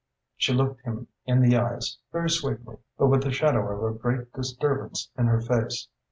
She looked him in the eyes, very sweetly, but with the shadow of a great disturbance in her face.